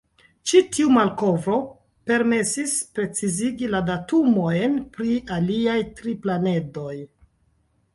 Ĉi tiu malkovro permesis precizigi la datumojn pri la aliaj tri planedoj.